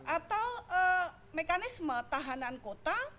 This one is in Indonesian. atau mekanisme tahanan kota